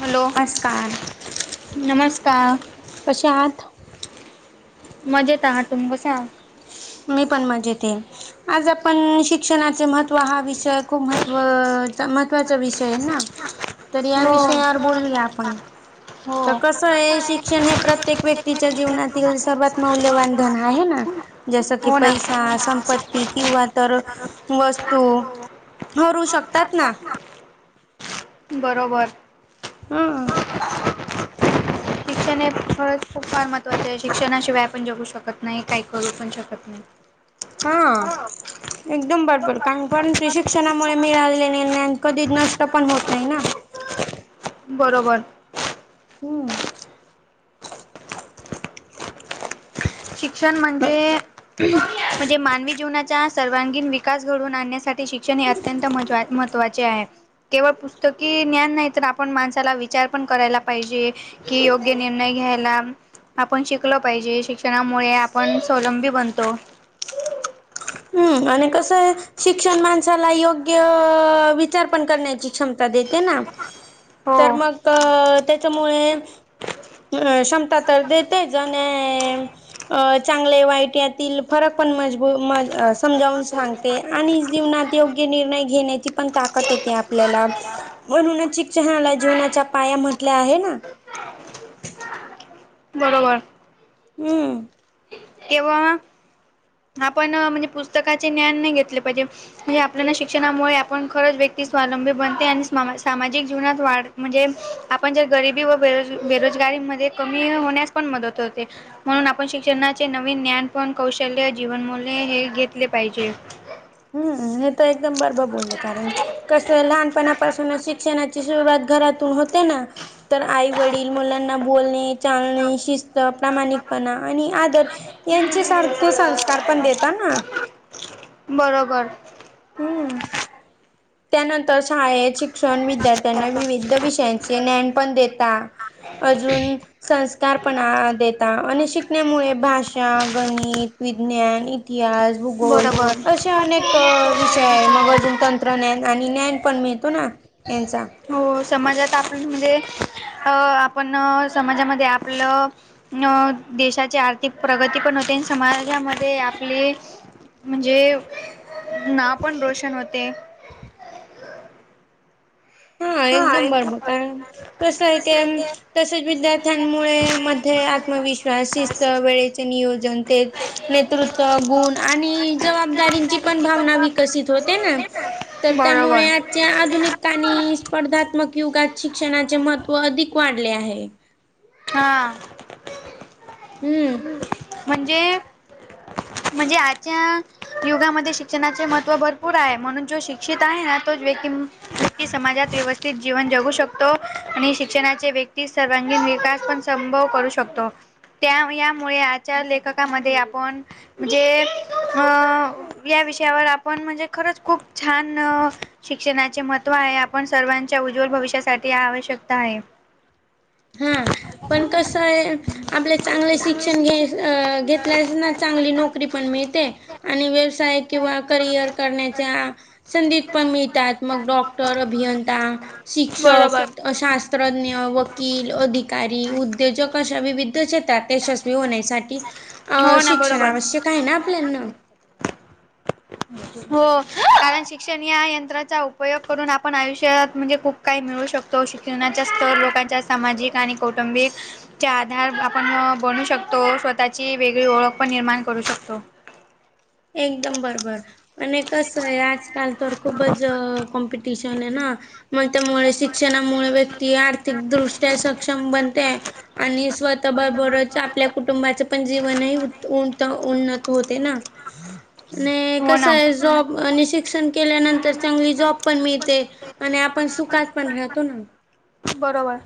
Hello आस्कार नमस्कार कशा आत मजेत आ तुम कसां मी पण मजेत आज आपण शिक्षणाचे महत्त्व हा विषय खूप महत्व महत्त्वाचा विषय आहे ना... तर या हो विषयावर बोलली आपण, हो तर कसं आहे शिक्षण हे प्रत्येक व्यक्तीच्या जीवनातील सर्वात मौल्यवान धन आहे ना... जसं की हो ना पैसा, संपत्ती किंवा तर वस्तू हरू शकतात. ना बरोबर हम शिक्षण हे फरच खूप फार महत्वाचे आहे शिक्षणाशिवाय पण जगू शकत नाही काही करू पण शकत नाही हा एकदम भरपूर कारण परणु शिक्षणामुळे मिळाले. निर्ण कधीच नष्ट पण होत. नाही ना बरोबर हम्म शिक्षण म्हणजे. म्हणजे मानवी जीवनाच्या सर्वांगीण. विकास घडून आणण्यासाठी शिक्षण हे अत्यंत म महत्त्वाचे, आहे. केवळ पुस्तकी ज्ञान नाही तर आपण माणसाला विचार पण करायला पाहिजे. कि योग्य निर्णय घ्यायला. आपण शिकल पाहिजे. शिक्षणामुळे आपण स्वलंबी बनतो. हम्म आणि कसं आहे. शिक्षण माणसाला योग्य विचार पण करण्याची क्षमता देते ना.. तर हो मग अ त्याच्यामुळे. क्षमता तर देतेच आणि अ चांगले वाईट यातील फरक पण मजबूत म समजावून सांगते आणि जीवनात योग्य निर्णय घेण्याची पण ताकद येते आपल्याला म्हणूनच चिकचणाला जीवनाच्या पाया म्हटल्या आहे ना बरोबर हम्म केव्हा आपण म्हणजे. पुस्तकाचे ज्ञान नाही घेतले पाहिजे. म्ह आपल्याला शिक्षणामुळे, आपण खरंच व्यक्ती स्वलंबी बनते. आणि सामाजिक जीवनात वाढ म्हणजे आपण जर गरिबी व बेरोज बेरोजगारी मध्ये कमी होण्यास पण मदत होते. म्हणून आपण शिक्षणाचे नवीन ज्ञान पण कौशल्य जीवनमूल्य हे घेतले पाहिजे. हम्म हे तर एकदम बरोबर बोलले कारण कस लहानपणापासून शिक्षणाची सुरुवात. घरातून होते. ना तर आईवडील मुलांना बोलणे. चालणे, शिस्त, प्रामाणिकपणा आणि आदर यांच्या सारखे संस्कार पण देतात ना बरोबर हम्म त्यानंतर शाळेत शिक्षण, विद्यार्थ्यांना विविध विषयांचे ज्ञान पण देता अजून संस्कारपणा देता आणि शिकण्यामुळे भाषा, गणित, विज्ञान, इतिहास भूगोल बरोबर. अशे अनेक ते मग अजून आहेत. तंत्रज्ञान आणि ज्ञान पण मिळतो ना यांचा हो समाजात. आपण म्हणजे अ आपण समाजामध्ये, आपलं. अं देशाची आर्थिक प्रगती पण होते, समाजामध्ये आपली, म्हणजे नाव पण रोशन होते. हा एकदम बरं मग कारत कसं आहे क तसेच विद्यार्थ्यांमुळे मध्ये आत्मविश्वास, शिस्त, वेळेचे नियोजन, ते. नेतृत्व गुण आणि जबाबदारींची पण भावना विकसित होते ना. तर बरोबर. त्यामुळे आजच्या आधुनिक आणि. स्पर्धात्मक युगात शिक्षणाचे महत्व अधिक वाढले आहे. हां. हम्म. म्हणजे म्हणजे आज्या युगामध्ये शिक्षणाचे महत्त्व भरपूर आहे म्हणून जो शिक्षित आहे ना तो व्यक्ती [inaudible] समाजात व्यवस्थित जीवन जगू शकतो आणि शिक्षणाचे व्यक्ती सर्वांगीण विकास पण संभव करू शकतो त्या यामुळे आजच्या लेखकामध्ये आपण. म्हणजे अं या विषयावर आपण म्हणजे खरंच खूप छान शिक्षणाचे महत्व आहे आपण सर्वांच्या उज्ज्वल भविष्यासाठी ह आवश्यकता आहे. हा, पण कस आहे, आपले चांगले शिक्षण घ घेतल्या चांगली नोकरी पण मिळते आणि व्यवसाय किंवा करिअर करण्याच्या संधीत पण मिळतात, मग डॉक्टर, अभियंता, बरोबर शिक्षक, शास्त्रज्ञ, व वकील, अधिकारी, उद्योजक अशा विविध क्षेत्रात यशस्वी होण्यासाठी, हो ना शिक्षणा बरोबर आवश्यक आहे ना आपल्याला. हो कारण शिक्षण या यंत्राचा उपयोग करून आपण आयुष्यात म्हणजे खूप. काही मिळू शकतो शिक्षणाच्या स्तर लोकांच्या सामाजिक आणि कौटुंबिक. च्या आधार आपण बनू शकतो. स्वतःची वेगळी ओळख पण निर्माण करू शकतो. एकदम बरोबर. आणि कस आहे आजकाल तर खूपच कॉम्पिटिशन आहे ना. मग त्यामुळे शिक्षणामुळे व्यक्ती आर्थिक दृष्ट्या सक्षम बनते. आणि स्वतः बरोबरच आपल्या कुटुंबाच पण जीवनही, उन, उन्नत होते ना. आणि हो कस ना. आहे, जॉब आणि शि शिक्षण केल्यानंतर चांगली जॉब पण मिळते. आणि आपण सुखात पण राहतो ना. बरोबर.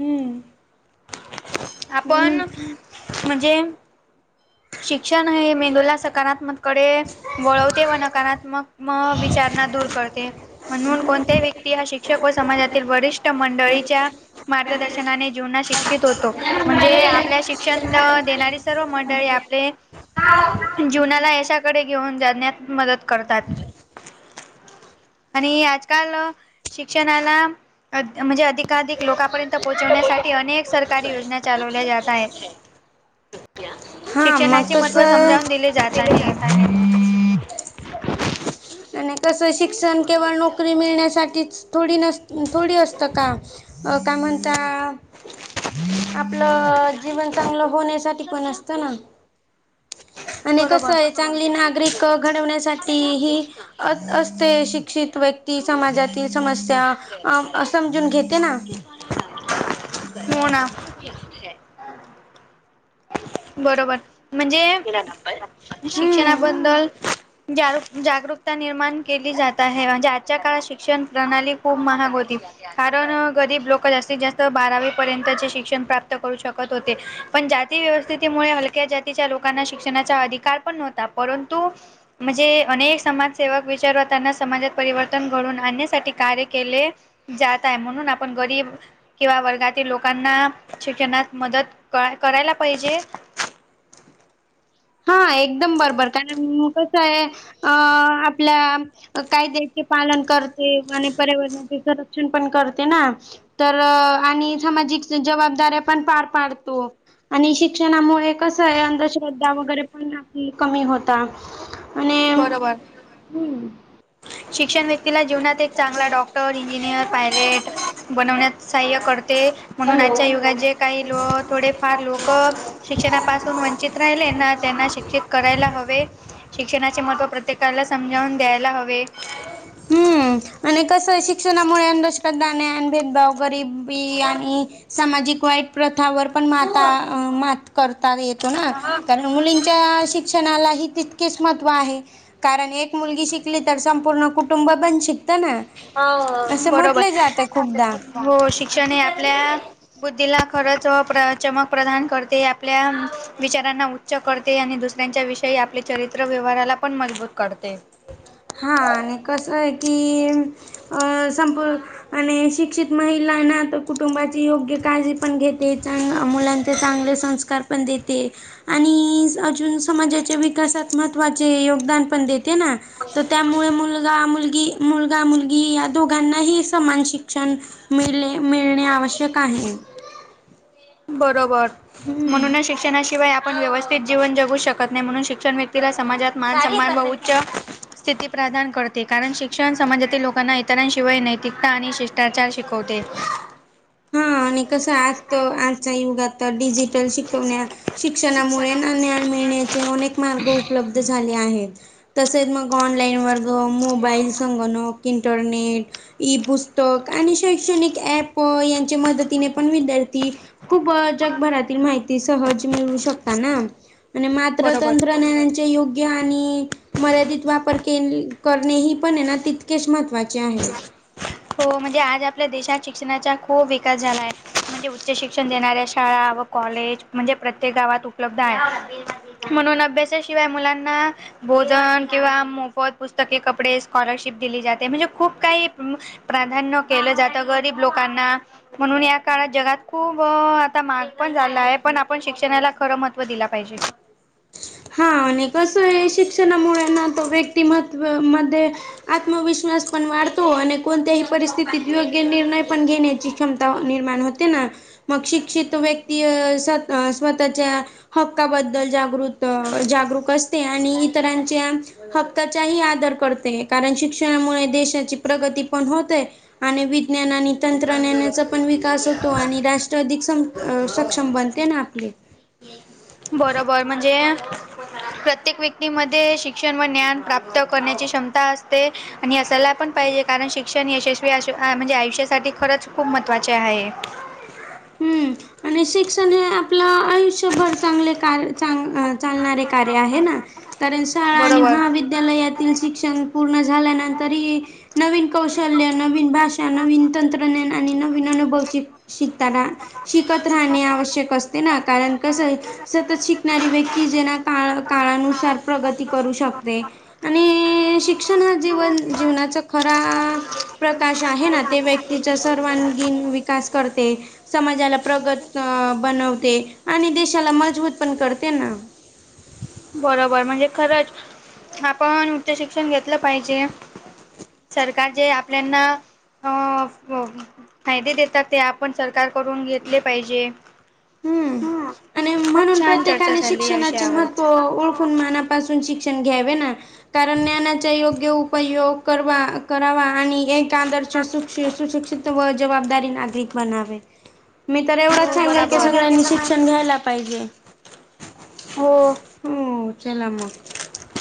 हम्म, म्हणून आपण म्हणजे शिक्षण हे मेंदूला सकारात्मक कडे वळवते, व नकारात्मक विचारणा दूर करते. म्हणून कोणत्याही व्यक्ती हा शिक शिक्षक व समाजातील वरिष्ठ मंडळीच्या मार्गदर्शनाने जीवना शिक्षित होतो. म्हणजे आपल्या शिक्षण देणारी सर्व मंडळी आपले. [unintelligible] जीवनाला यशाकडे घेऊन जाण्यात मदत करतात आणि आज त काल शिक्षणाला अ म्हणजे अधिक धिक लोकांपर्यंत पोहोचवण्यासाठी अनेक सरकारी योजना चालवल्या जात आहेत. हा मग शिक्षणाचे महत्त्व समजावून कसं दिले जात आहे. आणि कसं, शिक्षण केवळ नोकरी मिळण्यासाठीच थोडी नस थोडी असतं का? अ काय म्हनता? आपलं जीवन चांगलं होण्यासाठी पण असतं ना. आणि कस आहे चांगली नागरिक घडवण्यासाठी हि अ असते शिक्षित व्यक्ती समाजातील समस्या. अ समजून घेते ना [inaudible] हो ना. ह. बरोबर म्हणजे हम्म शिक्षणाबद्दल जा, जागरूकता निर्माण केली जात आहे म्हणजे आजच्या काळात शिक्षण प्रणाली खूप महाग होती कारण गरीब लोकं जास्तीत जास्त बारावी पर्यंतचे शिक्षण प्राप्त करू शकत होते, पण जाती व्यवस्थितऽ त्यामुळे हलक्या जातीच्या लोकांना शिक्षणाचा अधिकार पण नव्हता परंतु, म्हणजे अनेक समाजसेवक विचारवताना समाजात परिवर्तन घडून आणण्यासाठी कार्य केले. जातय म्हणून आपण गरीब. किंवा वर्गातील लोकांना, शिक्षणस मदत क करायला पाहिजे. हा एकदम बरोबर कारण कसं आहे अ आपल्या. कायद्याचे पालन करते, आणि पर्यावरणाचे संरक्षण पण करते ना. तर आणि सामाजिक जबाबदाऱ्या पण पार पाडतो. आणि शिक्षणामुळे कस आहे, अंधश्रद्धा वगैरे पण कमी होता‌ बरोबर. हम्म शिक्षण व्यक्तीला जीवनात एक चांगला डॉक्टर, इंजिनियर, पायलट बनवण्यात सहाय्य करते म्हणून आजच्या युगात जे काही लो थोडेफार लोक शिक्षणापास. तो वंचित राहिले ना त्यांना शिक्षित करायला हवे. शिक्षणाचे महत्त्व प्रत्येकाला समजावून द्यायला हवे.. हम्म आणि कसं शिक्षणामुळे अंधोषकदा भेदभाव गरीब बी आणि सामाजिक वाईट प्रथावर पण माता मात. करता येतो ना,, कारण मुलींच्या शिक्षणालाही तऽ किसमत्व आहे, कारण एक मुलगी शिकली तर संपूर्ण कुटुंब बण शिकत ना हो, असं बरोबर म्हटलं जातं खूपदा हो,, शिक्षण हे आपल्याऽ बुद्धीला खरच चमक प्रदान करते आपल्या विचारांना च् करते, आणि दुसऱ्यांच्या विषयी आपले चरित्र व्यवहाराला पण मजबूत करते. हा आणि कसं आहे की अ संपू आणि, शिक्षित महिलांना तर कुटुंबाची योग्य काळजी पण घेते, चां मुलांचे चांगले संस्ऽ कर पण दे ते. आणि,, अजून समाजाच्या विकासात महत्त्वाचे योगदान पण देते ना. तर त्यामुळे मुलगा मुलगी, मुलगा मुलगी या दोघांनाही समान शिक्षणऽ मिले मिळणे आवश्यक आहे. बरोबर,, म्हणूनच शिक्षणाशिवाय आपण व्यवस्थऽ जीवन जगू शकत नाही म्हणून शिक्षण व्यक्तीला समाजात मान सन्न बहुच्च. स्थिती प्रदान करते कारण शिक्षण समाजातील लोकांना इतरांशिवाय नैतिकता आणि श अत्याचार शिकवते. हा, आणि कसं आज आजच्या युगातऽ डिजिटल शिकवण्या शिक्षणामुळे नाञय मिळण्याचे अ मार्ग उपलब्ध झाले आहेत. तसेच मग ऑनलाईन वर्ग, मोबाईल, संगणक, इंटरनेट ई पुस्तक, आणि शैक्षणिक ऍप यांच्या मदतीने पण विद्यार्थीऽ खूप जगभरातील माहिती सहज मिळू शकता ना. आणि मात्र बरोबर तंत्रज्ञानाचे युग. घ्या आणि मर्यादित वापर के करणे ही पण आहे ना, तितकेच महत्त्वाचे आहे. हो, म्हणजे आज आपल्या देशात शिक्षणाचा खूप विकास झालाय. म्हणजे उच्च शिक्षण देणाऱ्या शाळा व कॉलेज म्हणजे प्रत्येक गावात उपलब्ध आहे. म्हणून अभ्यासाशिवाय मुलांना भोजन किंवा मोफत पुस्तके, कपडे, स्कॉलरशिप दिली जाते म्हणजे खूप काही म प्राधान्य केलं जातं, गरीब लोकांना म्हणून या काळात जगात खूप आता महाग पण झाल आहे, पण आपण शिक्षणाला खरं महत्त्व दिलं पाहिजे. हा आणि कसं आहे. शिक्षणामुळे ना तो व्यक्तिमत्व मध्ये आत्मविश्वास पण वाढतो आणि कोणत्याही परिस्थितीत योग्य निर्णय पण घेण्याची क्षमता वा निर्माण होते. ते ना मग, शिक्षित व्यक्ती अ सत अ स्वतःच्या हक्काबद्दल जागृत अ जागरूक असते आणि इतरांच्या हक्काचाही आदर करते. कारण शिक्षणामुळे देशाची प्रगती पण होतय आणि विज्ञनान आणि तंत्रज्ञानाचा पण विकास होतो आणि राष्ट्र अधिक सम सक्षम बनते ना आपले. बरोबर म्हणजे प्रत्येक व्यक्तीमध्ये शिक्षण व ज्ञान प्राप्त करण्याची क्षमता असते. आणि असायला पण पाहिजे, कारण शिक्षण यशस्वी आ म्हणजे आयुष्यासाठी खरंच खूप महत्त्वाचे आहे. हम्म आणि शिक्षण हे आपलं आयुष्यभर चांगले कार्य, चांगल चालणारं कार्य चालणारे कार्य आहे ना. कारण शाळा आणि बरोबर. महाविद्यालयातील शिक्षण पूर्ण झाल्यानंतरही नवीन कौशल्य, नवीन भाषा, नवीन तंत्रज्ञान आणि नवीन अनुभवषिक शिकताना शिकत राहणे आवश्यक असते ना, कारण कसय? सतत शिक णारी व्यक्ती जी, का काळानुसार प्रगती करू शकते. आणि ई ई शिक्षण हा जीवन जीवनाचा खरा आ प्रकाश आहे ना, ते व्यक्तीच्या सर्वांगीण विकास करते. समाजाला प्रगत बनवते आणि देशाला मजबूत पण करते ना. बरोबर म्हणजे खरंच, आपण उच्च शिक्षण घेतलं पाहिजे. सरकार जे आपल्याना अ क फायदे देतात, ते आपण सरकारकडून घेतले पाहिजे. हम्म आणि खूप म्हणून छान चर्चा प्रत्येकाने झाली या शिक्षणाचे विषयावर. महत्त्व ओळखून मनापासून शिक शिक्षण घ्यावे ना. कारण ज्ञानाचा योग्य उपयोग करवा करावा आणि एक का आदर्श सुशिक्षित व जवाबदारी नागरिक बनावे. मी तर एवढंच सांगेल की, सगळ्यांनी शिक्षण घ्यायला पाहिजे. हो. हो चला मग.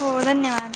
हो धन्यवाद.